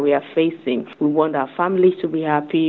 kita ingin keluarga kita bahagia